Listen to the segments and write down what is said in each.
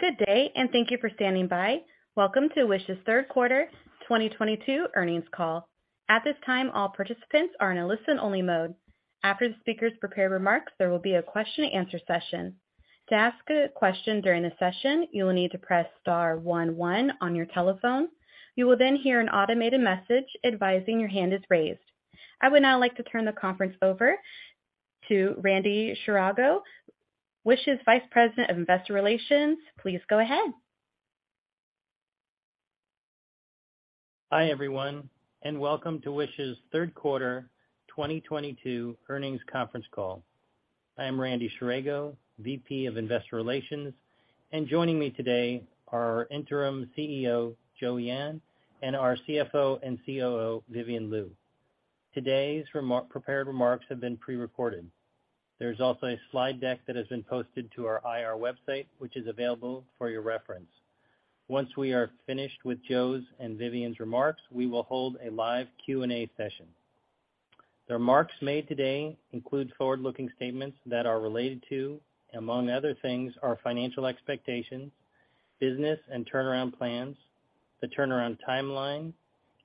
Good day, and thank you for standing by. Welcome to Wish's third quarter 2022 earnings call. At this time, all participants are in a listen-only mode. After the speakers prepare remarks, there will be a question and answer session. To ask a question during the session, you will need to press star one one on your telephone. You will then hear an automated message advising your hand is raised. I would now like to turn the conference over to Randy Scherago, Wish's Vice President of Investor Relations. Please go ahead. Hi, everyone, and welcome to Wish's third quarter 2022 earnings conference call. I am Randy Scherago, VP of Investor Relations, and joining me today are our Interim CEO, Joe Yan, and our CFO and COO, Vivian Liu. Today's prepared remarks have been pre-recorded. There's also a slide deck that has been posted to our IR website, which is available for your reference. Once we are finished with Joe's and Vivian's remarks, we will hold a live Q&A session. The remarks made today include forward-looking statements that are related to, among other things, our financial expectations, business and turnaround plans, the turnaround timeline,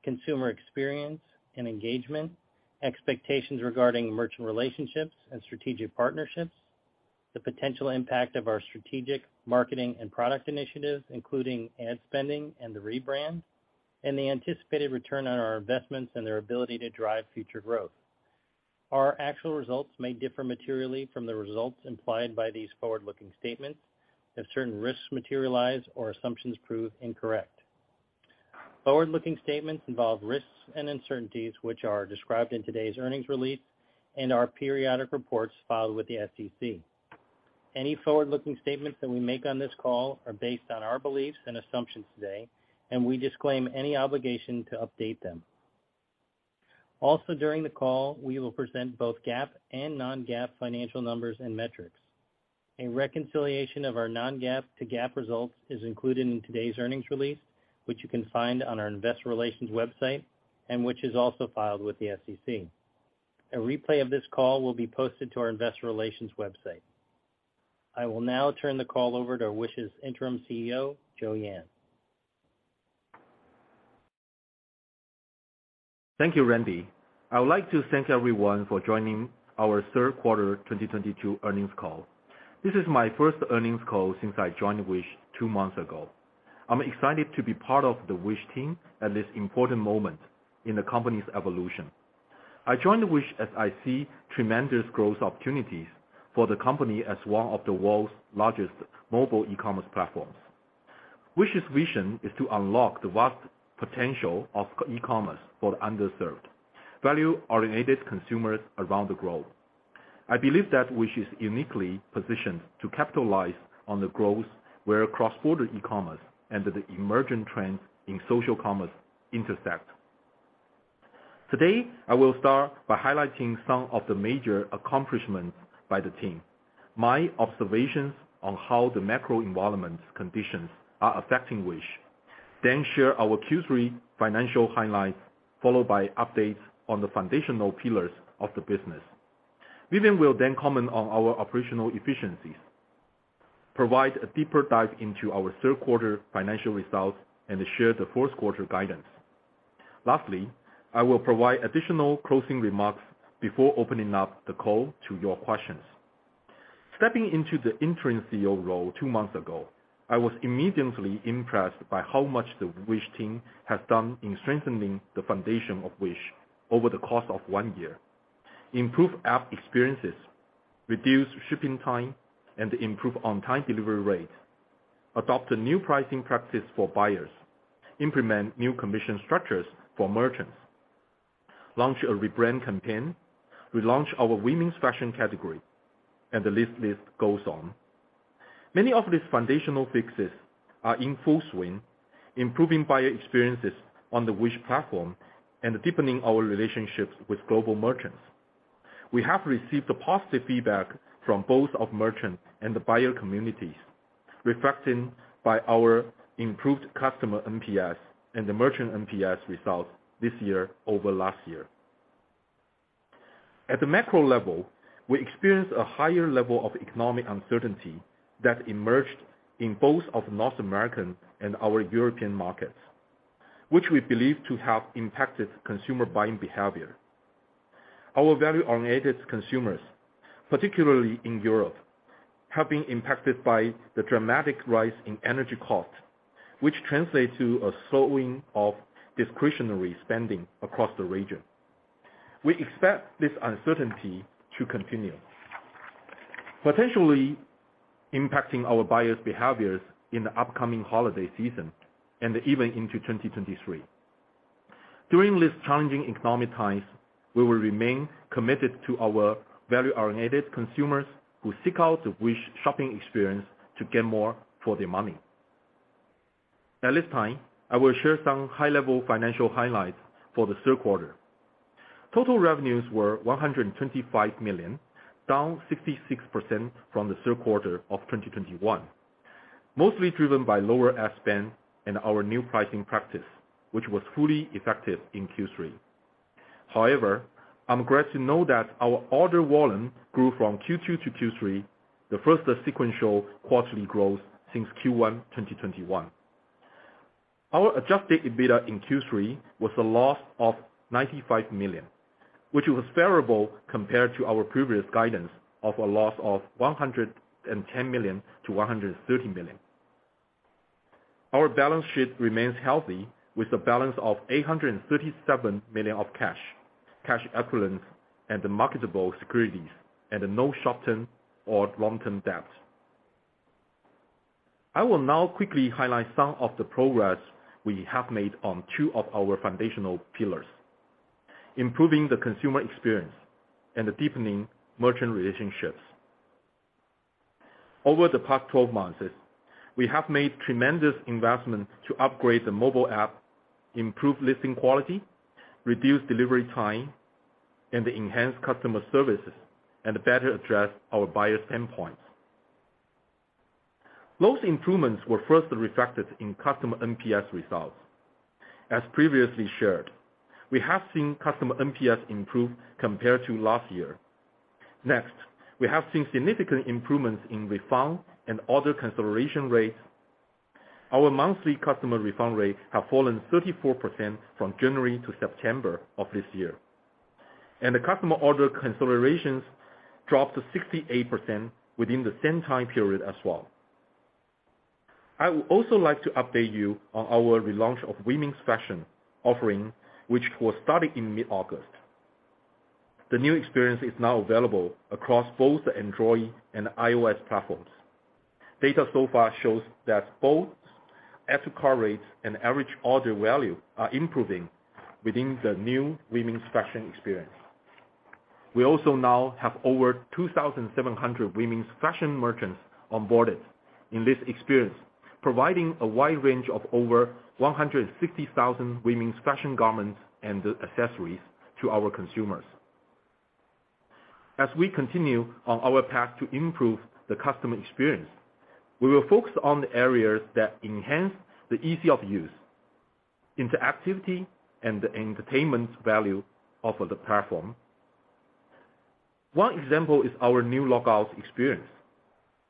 consumer experience and engagement, expectations regarding merchant relationships and strategic partnerships, the potential impact of our strategic, marketing, and product initiatives, including ad spending and the rebrand, and the anticipated return on our investments and their ability to drive future growth. Our actual results may differ materially from the results implied by these forward-looking statements if certain risks materialize or assumptions prove incorrect. Forward-looking statements involve risks and uncertainties which are described in today's earnings release and our periodic reports filed with the SEC. Any forward-looking statements that we make on this call are based on our beliefs and assumptions today, and we disclaim any obligation to update them. Also, during the call, we will present both GAAP and non-GAAP financial numbers and metrics. A reconciliation of our non-GAAP to GAAP results is included in today's earnings release, which you can find on our investor relations website and which is also filed with the SEC. A replay of this call will be posted to our investor relations website. I will now turn the call over to Wish's interim CEO, Joe Yan. Thank you, Randy. I would like to thank everyone for joining our third quarter 2022 earnings call. This is my first earnings call since I joined Wish two months ago. I'm excited to be part of the Wish team at this important moment in the company's evolution. I joined Wish as I see tremendous growth opportunities for the company as one of the world's largest mobile e-commerce platforms. Wish's vision is to unlock the vast potential of e-commerce for the underserved, value-oriented consumers around the globe. I believe that Wish is uniquely positioned to capitalize on the growth where cross-border e-commerce and the emerging trends in social commerce intersect. Today, I will start by highlighting some of the major accomplishments by the team, my observations on how the macro environment conditions are affecting Wish, then share our Q3 financial highlights, followed by updates on the foundational pillars of the business. Vivian will then comment on our operational efficiencies, provide a deeper dive into our third quarter financial results, and share the fourth quarter guidance. Lastly, I will provide additional closing remarks before opening up the call to your questions. Stepping into the interim CEO role two months ago, I was immediately impressed by how much the Wish team has done in strengthening the foundation of Wish over the course of one year. Improve app experiences, reduce shipping time, and improve on-time delivery rate, adopt a new pricing practice for buyers, implement new commission structures for merchants, launch a rebrand campaign, relaunch our women's fashion category, and the list goes on. Many of these foundational fixes are in full swing, improving buyer experiences on the Wish platform and deepening our relationships with global merchants. We have received a positive feedback from both of merchant and the buyer communities, reflected by our improved customer NPS and the merchant NPS results this year over last year. At the macro level, we experienced a higher level of economic uncertainty that emerged in both of North American and our European markets, which we believe to have impacted consumer buying behavior. Our value-oriented consumers, particularly in Europe, have been impacted by the dramatic rise in energy costs, which translates to a slowing of discretionary spending across the region. We expect this uncertainty to continue, potentially impacting our buyers' behaviors in the upcoming holiday season and even into 2023. During these challenging economic times, we will remain committed to our value-oriented consumers who seek out the Wish shopping experience to get more for their money. At this time, I will share some high-level financial highlights for the third quarter. Total revenues were $125 million, down 66% from the third quarter of 2021, mostly driven by lower ad spend and our new pricing practice, which was fully effective in Q3. However, I'm glad to know that our order volume grew from Q2-Q3, the first sequential quarterly growth since Q1 2021. Our Adjusted EBITDA in Q3 was a loss of $95 million, which was favorable compared to our previous guidance of a loss of $110 million-$130 million. Our balance sheet remains healthy, with a balance of $837 million of cash equivalents, and marketable securities, and no short-term or long-term debt. I will now quickly highlight some of the progress we have made on two of our foundational pillars, improving the consumer experience and deepening merchant relationships. Over the past 12 months, we have made tremendous investments to upgrade the mobile app, improve listing quality, reduce delivery time, and enhance customer services, and better address our buyers' pain points. Those improvements were first reflected in customer NPS results. As previously shared, we have seen customer NPS improve compared to last year. Next, we have seen significant improvements in refund and order cancellation rates. Our monthly customer refund rates have fallen 34% from January to September of this year. Customer order cancellations dropped to 68% within the same time period as well. I would also like to update you on our relaunch of women's fashion offering, which was started in mid-August. The new experience is now available across both the Android and iOS platforms. Data so far shows that both add to cart rates and average order value are improving within the new women's fashion experience. We also now have over 2,700 women's fashion merchants onboarded in this experience, providing a wide range of over 160,000 women's fashion garments and accessories to our consumers. As we continue on our path to improve the customer experience, we will focus on the areas that enhance the ease of use, interactivity, and the entertainment value of the platform. One example is our new log out experience.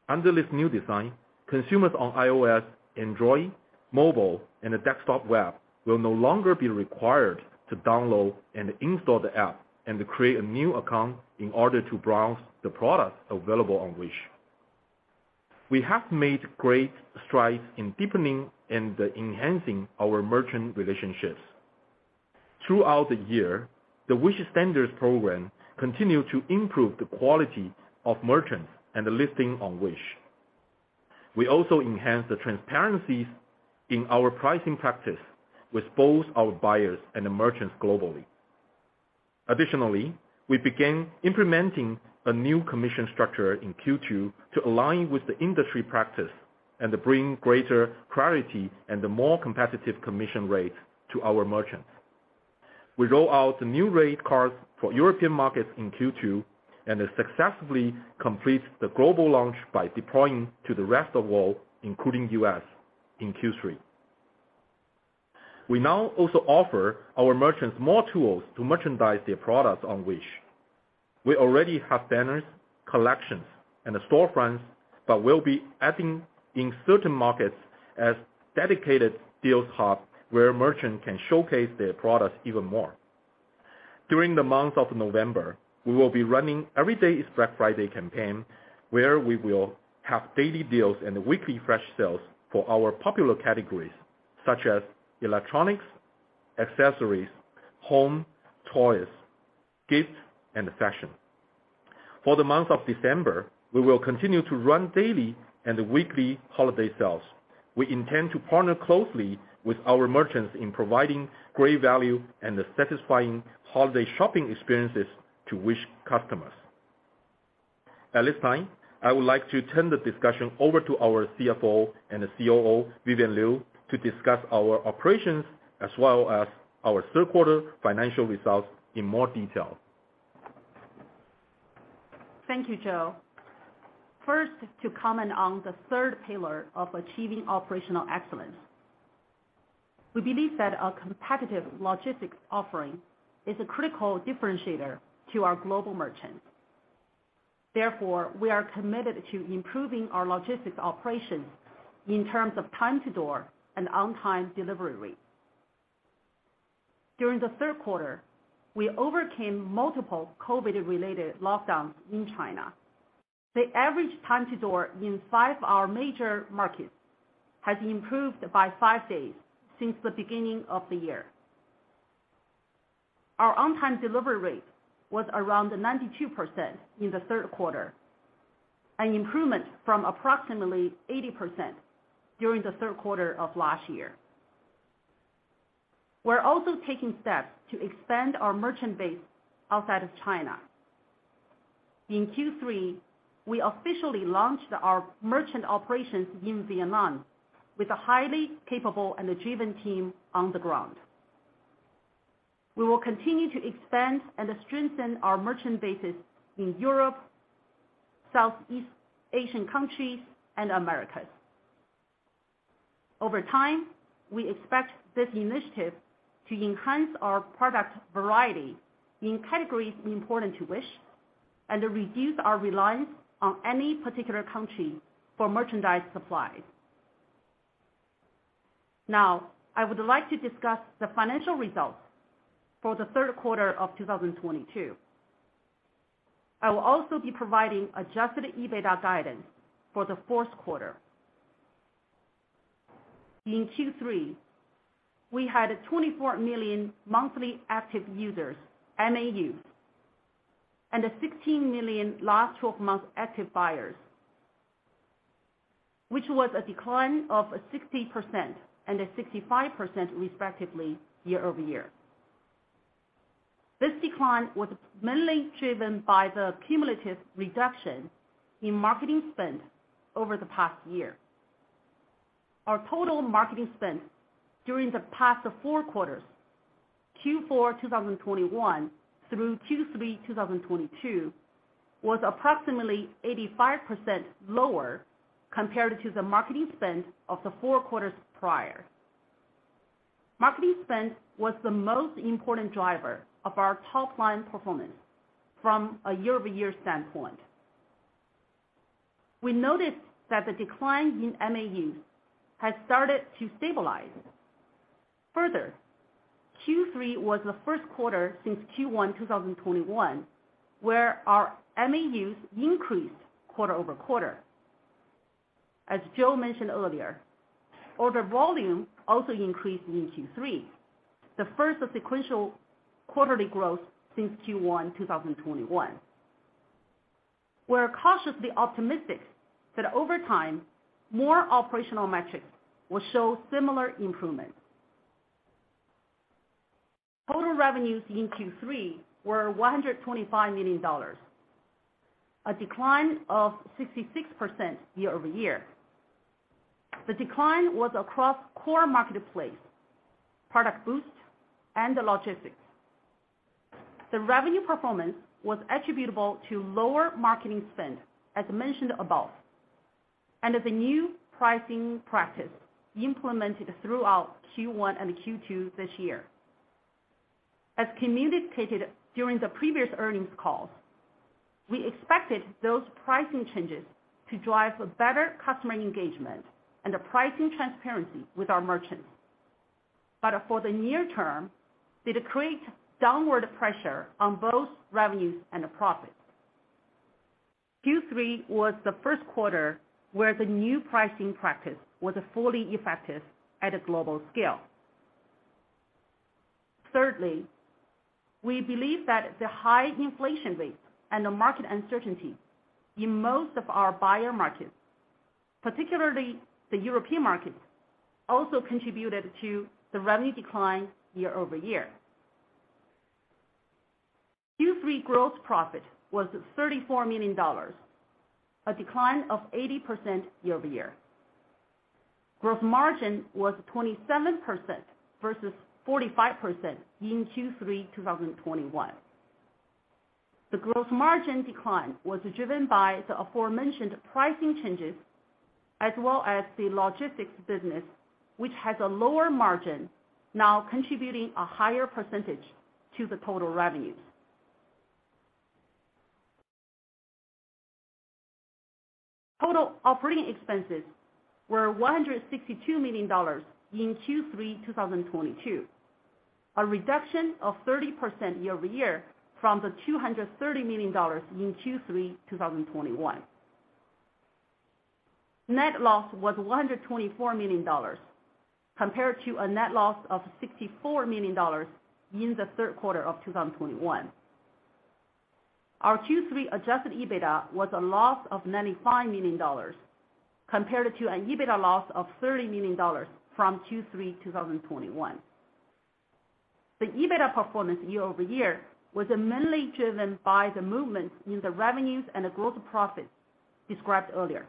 Under this new design, consumers on iOS, Android, mobile, and the desktop web will no longer be required to download and install the app and to create a new account in order to browse the products available on Wish. We have made great strides in deepening and enhancing our merchant relationships. Throughout the year, the Wish Standards program continued to improve the quality of merchants and the listing on Wish. We also enhanced the transparency in our pricing practice with both our buyers and the merchants globally. Additionally, we began implementing a new commission structure in Q2 to align with the industry practice and to bring greater clarity and a more competitive commission rate to our merchants. We roll out the new rate cards for European markets in Q2 and successfully complete the global launch by deploying to the rest of world, including U.S., in Q3. We now also offer our merchants more tools to merchandise their products on Wish. We already have banners, collections and storefronts, but we'll be adding in certain markets as dedicated deals hub where merchant can showcase their products even more. During the month of November, we will be running Everyday is Black Friday campaign, where we will have daily deals and weekly fresh sales for our popular categories such as electronics, accessories, home, toys, gifts, and fashion. For the month of December, we will continue to run daily and weekly holiday sales. We intend to partner closely with our merchants in providing great value and satisfying holiday shopping experiences to Wish customers. At this time, I would like to turn the discussion over to our CFO and COO, Vivian Liu, to discuss our operations as well as our third quarter financial results in more detail. Thank you, Joe. First, to comment on the third pillar of achieving operational excellence. We believe that our competitive logistics offering is a critical differentiator to our global merchants. Therefore, we are committed to improving our logistics operations in terms of time to door and on-time delivery rate. During the third quarter, we overcame multiple COVID-related lockdowns in China. The average time to door in five of our major markets has improved by five days since the beginning of the year. Our on-time delivery rate was around 92% in the third quarter, an improvement from approximately 80% during the third quarter of last year. We're also taking steps to expand our merchant base outside of China. In Q3, we officially launched our merchant operations in Vietnam with a highly capable and driven team on the ground. We will continue to expand and strengthen our merchant bases in Europe, Southeast Asian countries, and Americas. Over time, we expect this initiative to enhance our product variety in categories important to Wish, and to reduce our reliance on any particular country for merchandise supply. Now, I would like to discuss the financial results for the third quarter of 2022. I will also be providing adjusted EBITDA guidance for the fourth quarter. In Q3, we had 24 million monthly active users, MAUs, and 16 million last twelve months active buyers, which was a decline of 60% and 65% respectively year-over-year. This decline was mainly driven by the cumulative reduction in marketing spend over the past year. Our total marketing spend during the past four quarters, Q4 2021 through Q3 2022, was approximately 85% lower compared to the marketing spend of the four quarters prior. Marketing spend was the most important driver of our top line performance from a year-over-year standpoint. We noticed that the decline in MAUs has started to stabilize. Further, Q3 was the first quarter since Q1 2021, where our MAUs increased quarter-over-quarter. As Joe mentioned earlier, order volume also increased in Q3, the first sequential quarterly growth since Q1 2021. We're cautiously optimistic that over time, more operational metrics will show similar improvements. Total revenues in Q3 were $125 million, a decline of 66% year-over-year. The decline was across Core Marketplace, ProductBoost, and the Logistics. The revenue performance was attributable to lower marketing spend, as mentioned above, and the new pricing practice implemented throughout Q1 and Q2 this year. As communicated during the previous earnings call, we expected those pricing changes to drive a better customer engagement and the pricing transparency with our merchants. For the near term, did create downward pressure on both revenues and the profits. Q3 was the first quarter where the new pricing practice was fully effective at a global scale. Thirdly, we believe that the high inflation rate and the market uncertainty in most of our buyer markets, particularly the European markets, also contributed to the revenue decline year-over-year. Q3 gross profit was $34 million, a decline of 80% year-over-year. Gross margin was 27% versus 45% in Q3 2021. The gross margin decline was driven by the aforementioned pricing changes as well as the Logistics business, which has a lower margin now contributing a higher percentage to the total revenues. Total operating expenses were $162 million in Q3 2022, a reduction of 30% year-over-year from the $230 million in Q3 2021. Net loss was $124 million compared to a net loss of $64 million in the third quarter of 2021. Our Q3 Adjusted EBITDA was a loss of $95 million compared to an Adjusted EBITDA loss of $30 million from Q3 2021. The Adjusted EBITDA performance year-over-year was mainly driven by the movements in the revenues and the gross profits described earlier.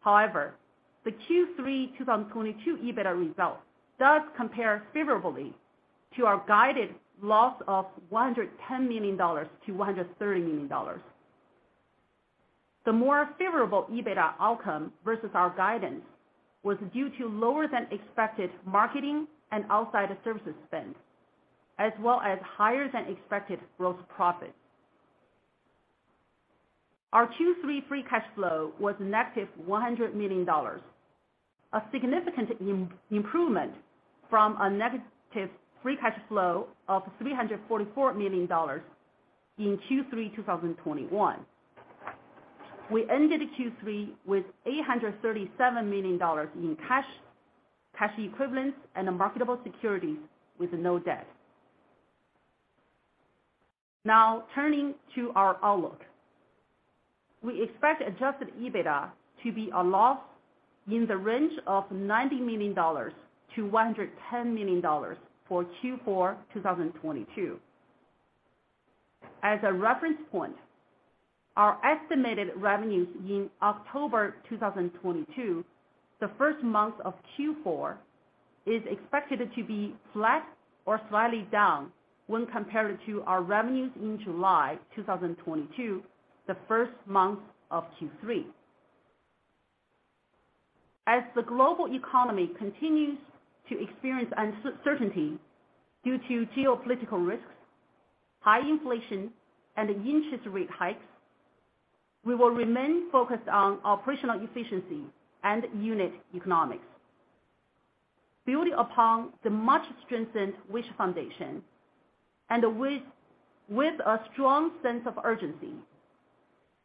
However, the Q3 2022 EBITDA result does compare favorably to our guided loss of $110 million-$130 million. The more favorable EBITDA outcome versus our guidance was due to lower than expected marketing and outside services spend, as well as higher than expected gross profits. Our Q3 free cash flow was negative $100 million, a significant improvement from a negative free cash flow of $344 million in Q3 2021. We ended Q3 with $837 million in cash equivalents, and marketable securities with no debt. Now, turning to our outlook. We expect adjusted EBITDA to be a loss in the range of $90 million-$110 million for Q4 2022. As a reference point, our estimated revenues in October 2022, the first month of Q4, is expected to be flat or slightly down when compared to our revenues in July 2022, the first month of Q3. As the global economy continues to experience uncertainty due to geopolitical risks, high inflation, and interest rate hikes, we will remain focused on operational efficiency and unit economics. Building upon the much-strengthened Wish foundation, and with a strong sense of urgency,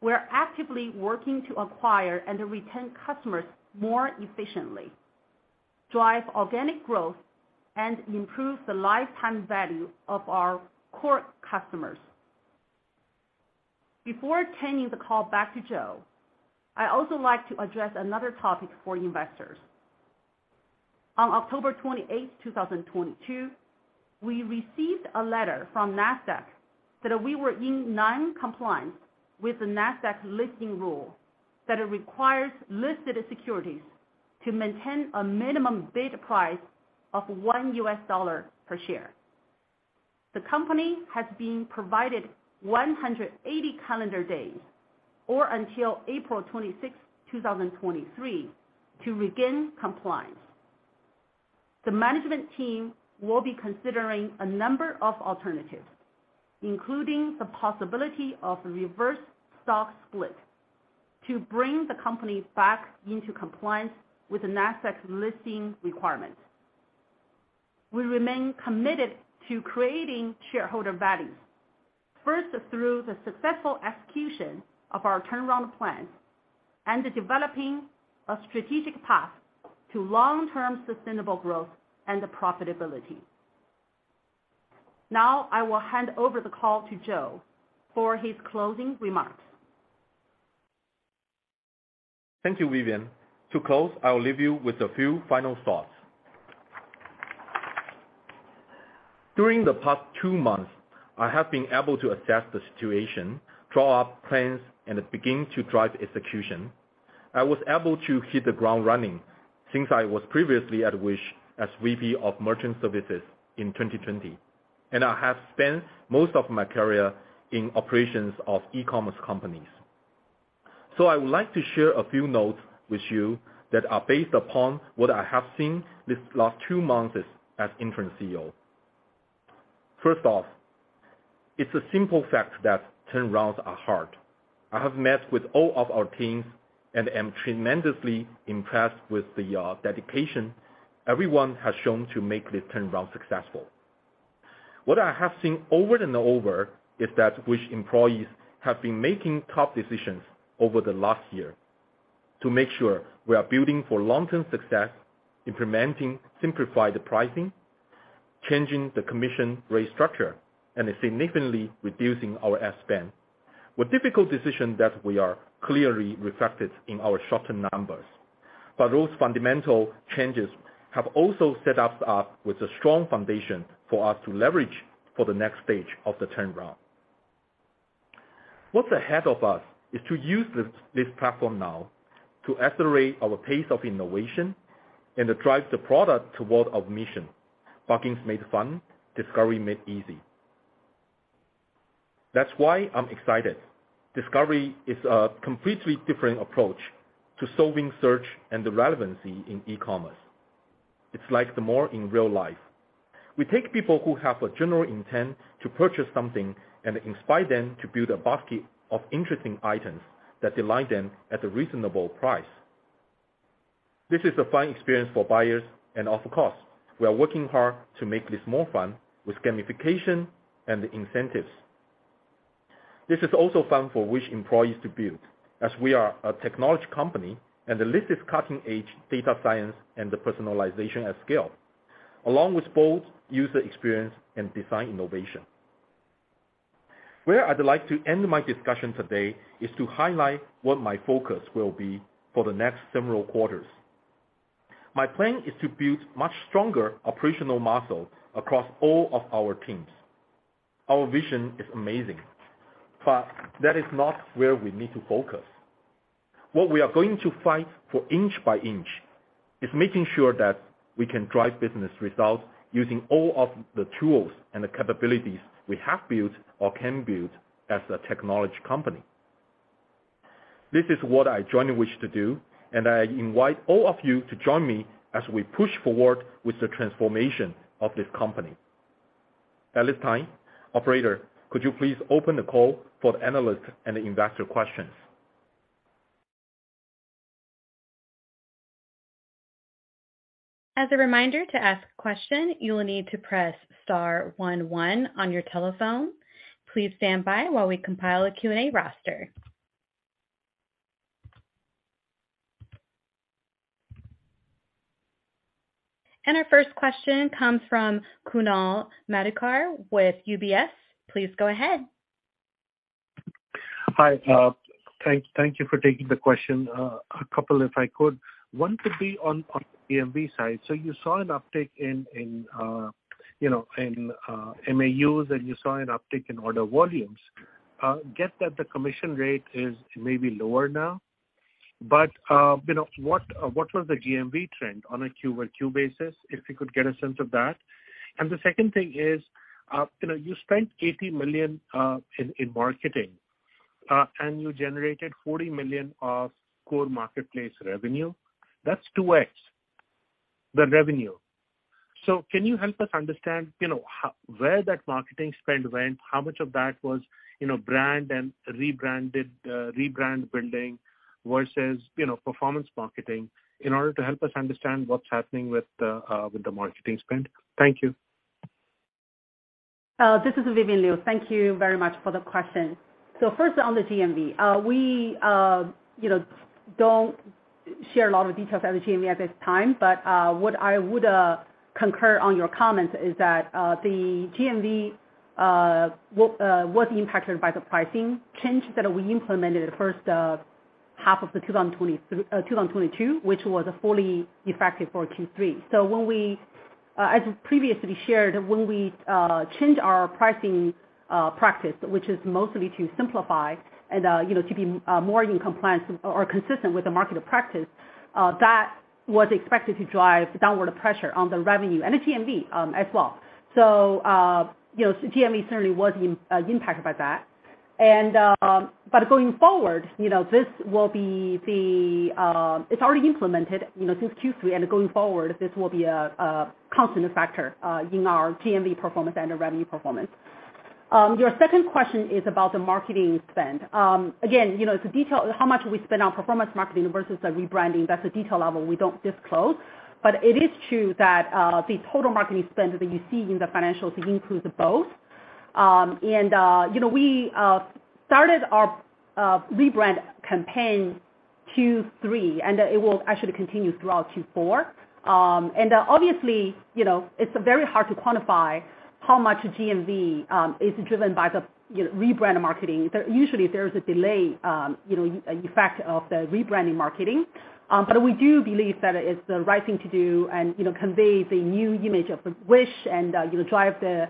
we are actively working to acquire and retain customers more efficiently, drive organic growth, and improve the lifetime value of our core customers. Before turning the call back to Joe, I'd also like to address another topic for investors. On October 28th, 2022, we received a letter from Nasdaq that we were in noncompliance with the Nasdaq listing rule that it requires listed securities to maintain a minimum bid price of $1 per share. The company has been provided 180 calendar days, or until April 26th, 2023, to regain compliance. The management team will be considering a number of alternatives, including the possibility of reverse stock split, to bring the company back into compliance with the Nasdaq listing requirements. We remain committed to creating shareholder value, first through the successful execution of our turnaround plan and developing a strategic path to long-term sustainable growth and profitability. Now I will hand over the call to Joe for his closing remarks. Thank you, Vivian. To close, I'll leave you with a few final thoughts. During the past two months, I have been able to assess the situation, draw up plans, and begin to drive execution. I was able to hit the ground running since I was previously at Wish as VP of Merchant Services in 2020, and I have spent most of my career in operations of e-commerce companies. I would like to share a few notes with you that are based upon what I have seen these last two months as interim CEO. First off, it's a simple fact that turnarounds are hard. I have met with all of our teams and am tremendously impressed with the dedication everyone has shown to make this turnaround successful. What I have seen over and over is that Wish employees have been making tough decisions over the last year to make sure we are building for long-term success, implementing simplified pricing, changing the commission rate structure, and significantly reducing our ad spend. With difficult decisions that are clearly reflected in our short-term numbers. Those fundamental changes have also set us up with a strong foundation for us to leverage for the next stage of the turnaround. What's ahead of us is to use this platform now to accelerate our pace of innovation and to drive the product toward our mission. Bargains made fun. Discovery made easy. That's why I'm excited. Discovery is a completely different approach to solving search and the relevancy in e-commerce. It's like the mall in real life. We take people who have a general intent to purchase something and inspire them to build a basket of interesting items that delight them at a reasonable price. This is a fun experience for buyers and of course, we are working hard to make this more fun with gamification and incentives. This is also fun for Wish employees to build, as we are a technology company and this is cutting-edge data science and the personalization at scale, along with bold user experience and design innovation. Where I'd like to end my discussion today is to highlight what my focus will be for the next several quarters. My plan is to build much stronger operational muscle across all of our teams. Our vision is amazing, but that is not where we need to focus. What we are going to fight for inch by inch is making sure that we can drive business results using all of the tools and the capabilities we have built or can build as a technology company. This is what I join Wish to do, and I invite all of you to join me as we push forward with the transformation of this company. At this time, operator, could you please open the call for the analyst and investor questions? As a reminder, to ask a question, you will need to press star one one on your telephone. Please stand by while we compile a Q&A roster. Our first question comes from Kunal Madhukar with UBS. Please go ahead. Hi. Thank you for taking the question. A couple if I could. One could be on the GMV side. You saw an uptick in you know MAUs, and you saw an uptick in order volumes. I get that the commission rate is maybe lower now. You know, what was the GMV trend on a Q-over-Q basis, if we could get a sense of that? The second thing is, you know, you spent $80 million in marketing, and you generated $40 million of Core Marketplace revenue. That's 2x the revenue. Can you help us understand, you know, where that marketing spend went? How much of that was, you know, brand and rebrand building versus, you know, performance marketing in order to help us understand what's happening with the marketing spend? Thank you. This is Vivian Liu. Thank you very much for the question. First on the GMV, we, you know, don't share a lot of details on the GMV at this time. What I would concur on your comments is that, the GMV was impacted by the pricing changes that we implemented the first half of 2022, which was fully effective for Q3. As previously shared, when we changed our pricing practice, which is mostly to simplify and, you know, to be more in compliance or consistent with the market practice, that was expected to drive downward pressure on the revenue and the GMV, as well. You know, GMV certainly was impacted by that. Going forward, you know, this will be the. It's already implemented, you know, since Q3, and going forward, this will be a constant factor in our GMV performance and our revenue performance. Your second question is about the marketing spend. Again, you know, it's a detail, how much we spend on performance marketing versus the rebranding, that's a detail level we don't disclose. It is true that the total marketing spend that you see in the financials includes both. You know, we started our rebrand campaign Q3, and it will actually continue throughout Q4. Obviously, you know, it's very hard to quantify how much GMV is driven by the rebrand marketing. There usually is a delay effect of the rebranding marketing. We do believe that it's the right thing to do and, you know, conveys a new image of Wish and, you know, drive the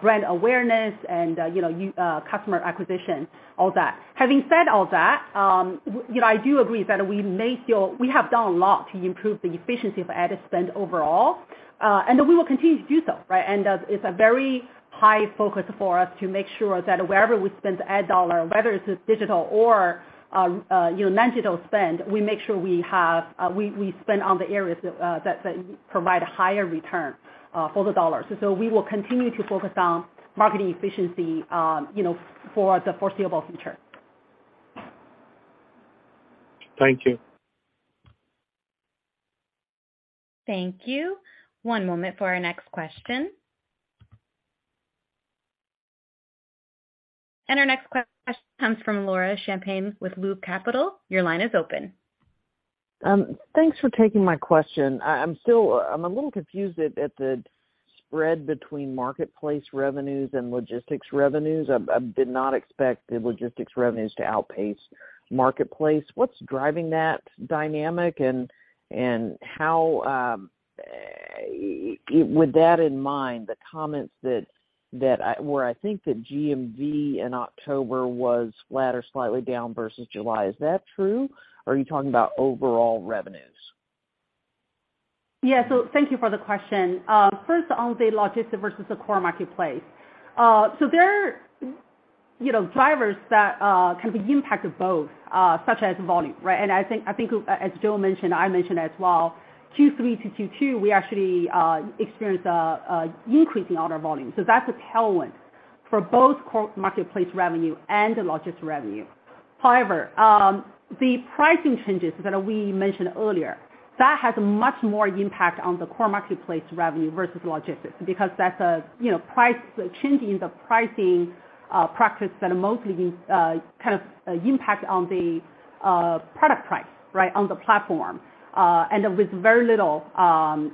brand awareness and, you know, customer acquisition, all that. Having said all that, you know, I do agree that we may still. We have done a lot to improve the efficiency of ad spend overall, and we will continue to do so, right? It's a very high focus for us to make sure that wherever we spend ad dollar, whether it's digital or, you know, non-digital spend, we make sure we spend on the areas that provide higher return for the dollar. We will continue to focus on marketing efficiency, you know, for the foreseeable future. Thank you. Thank you. One moment for our next question. Our next question comes from Laura Champine with Loop Capital. Your line is open. Thanks for taking my question. I'm a little confused at the spread between marketplace revenues and logistics revenues. I did not expect the logistics revenues to outpace marketplace. What's driving that dynamic and how. With that in mind, the comments where I think the GMV in October was flat or slightly down versus July, is that true, or are you talking about overall revenues? Yeah. Thank you for the question. First on the Logistics versus the Core Marketplace. There are, you know, drivers that can impact both, such as volume, right? I think as Joe mentioned, I mentioned as well, Q3 to Q2, we actually experienced an increase in order volume. That's a tailwind for both Core Marketplace revenue and the logistics revenue. However, the pricing changes that we mentioned earlier, that has much more impact on the Core Marketplace revenue versus logistics because that's a, you know, changing the pricing practice that mostly kind of impact on the product price, right, on the platform, and with very little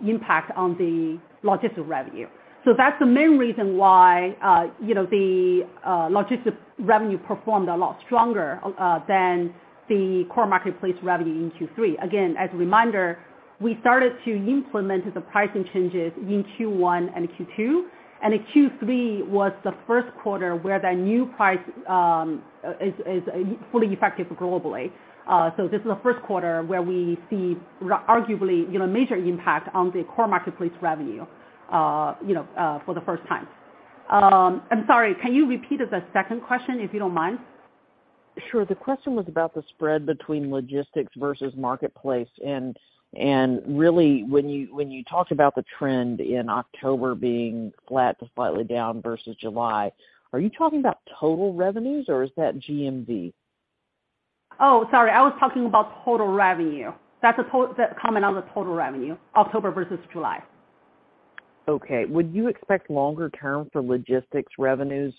impact on the logistics revenue. That's the main reason why, you know, the logistics revenue performed a lot stronger than the Core Marketplace revenue in Q3. Again, as a reminder, we started to implement the pricing changes in Q1 and Q2, and Q3 was the first quarter where the new price is fully effective globally. This is the first quarter where we see arguably, you know, major impact on the Core Marketplace revenue, you know, for the first time. I'm sorry, can you repeat the second question, if you don't mind? Sure. The question was about the spread between Logistics versus Marketplace. Really when you talked about the trend in October being flat to slightly down versus July, are you talking about total revenues or is that GMV? Oh, sorry. I was talking about total revenue. That's that comment on the total revenue, October versus July. Okay. Would you expect longer term for logistics revenues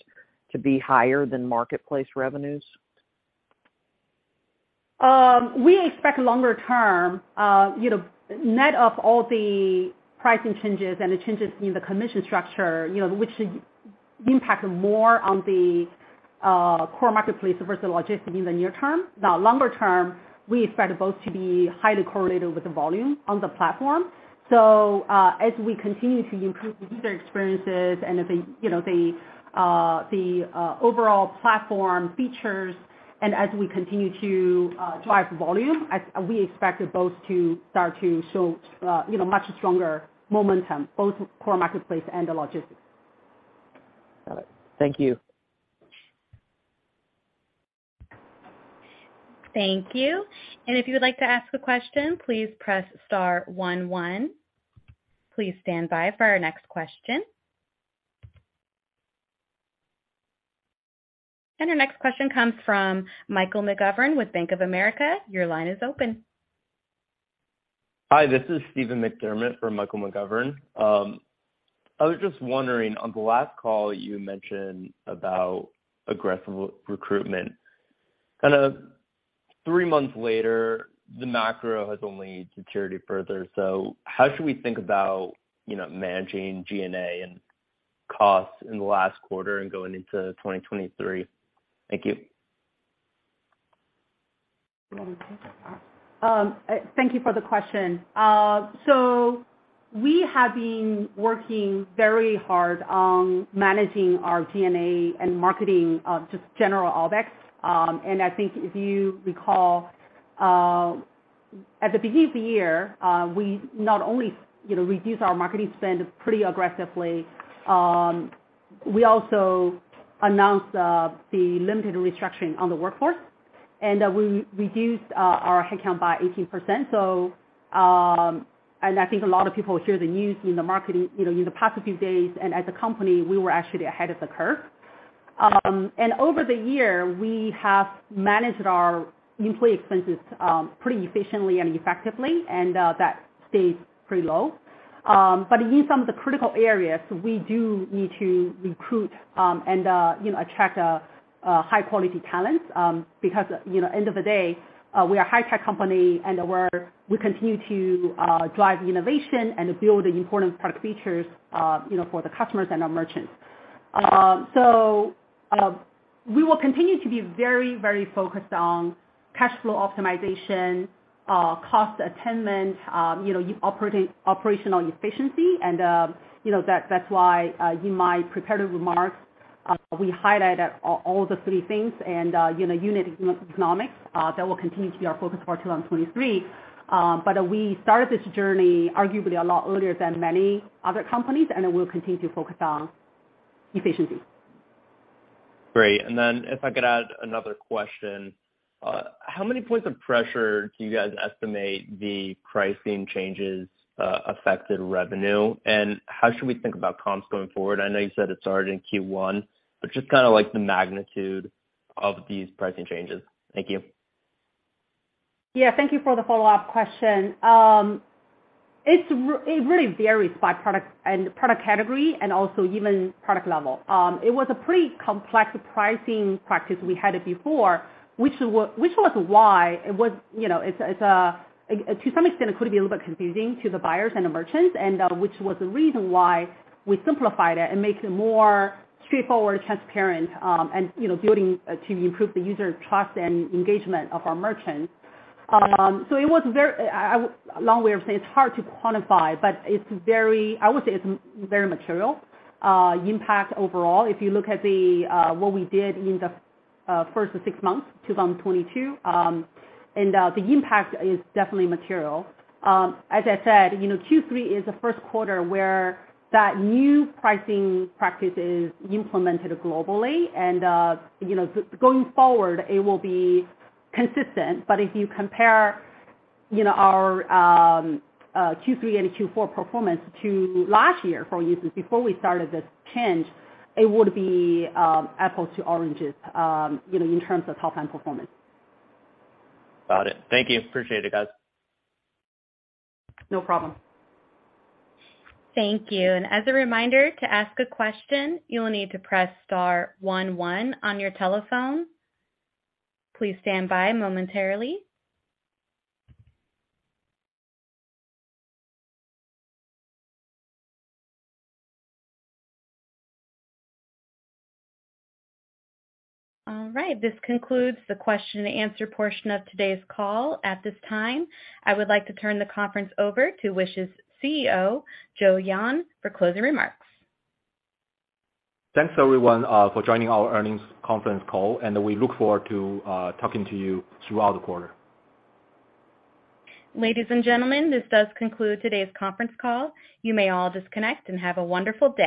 to be higher than marketplace revenues? We expect longer term, you know, net of all the pricing changes and the changes in the commission structure, you know, which impact more on the Core Marketplace versus Logistics in the near term. Now, longer term, we expect both to be highly correlated with the volume on the platform. As we continue to improve the user experiences and the, you know, the overall platform features, as we continue to drive volume, we expect both to start to show, you know, much stronger momentum, both Core Marketplace and the Logistics. Got it. Thank you. Thank you. If you would like to ask a question, please press star one. Please stand by for our next question. The next question comes from Michael McGovern with Bank of America. Your line is open. Hi, this is Stephen uncertain for Michael McGovern. I was just wondering, on the last call you mentioned about aggressive recruitment. Kind of three months later, the macro has only deteriorated further, so how should we think about, you know, managing G&A and costs in the last quarter and going into 2023? Thank you. Thank you for the question. We have been working very hard on managing our G&A and marketing, just general OpEx. I think if you recall, at the beginning of the year, we not only, you know, reduced our marketing spend pretty aggressively, we also announced the limited restructuring on the workforce. We reduced our headcount by 18%. I think a lot of people hear the news in the marketing, you know, in the past few days, and as a company, we were actually ahead of the curve. Over the year, we have managed our employee expenses pretty efficiently and effectively, and that stayed pretty low. In some of the critical areas, we do need to recruit, and you know, attract high quality talents. Because, you know, end of the day, we are a high-tech company and we continue to drive innovation and build important product features, you know, for the customers and our merchants. We will continue to be very focused on cash flow optimization, cost attainment, you know, operational efficiency and, you know, that's why, in my prepared remarks, we highlighted all the three things and, you know, unit economics, that will continue to be our focus for 2023. We started this journey arguably a lot earlier than many other companies, and we'll continue to focus on efficiency. Great. If I could add another question. How many points of pressure do you guys estimate the pricing changes affected revenue? How should we think about comps going forward? I know you said it started in Q1, but just kinda like the magnitude of these pricing changes. Thank you. Yeah. Thank you for the follow-up question. It really varies by product and product category and also even product level. It was a pretty complex pricing practice we had before, which was why it was, you know, to some extent it could be a little bit confusing to the buyers and the merchants, and which was the reason why we simplified it and make it more straightforward, transparent, and, you know, building to improve the user trust and engagement of our merchants. It was very long way of saying it's hard to quantify, but it's very material impact overall. If you look at what we did in the first six months, 2022, and the impact is definitely material. As I said, you know, Q3 is the first quarter where that new pricing practice is implemented globally and, you know, going forward, it will be consistent. If you compare, you know, our Q3 and Q4 performance to last year for instance, before we started this change, it would be apples to oranges, you know, in terms of top line performance. Got it. Thank you. Appreciate it, guys. No problem. Thank you. As a reminder, to ask a question, you'll need to press star one one on your telephone. Please stand by momentarily. All right. This concludes the question and answer portion of today's call. At this time, I would like to turn the conference over to Wish's CEO, Joe Yan, for closing remarks. Thanks, everyone, for joining our earnings conference call, and we look forward to talking to you throughout the quarter. Ladies and gentlemen, this does conclude today's conference call. You may all disconnect and have a wonderful day.